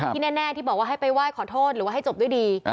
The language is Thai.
แน่ที่บอกว่าให้ไปไหว้ขอโทษหรือว่าให้จบด้วยดี